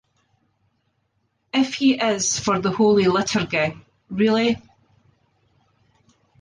If he is for the Holy Liturgy, really.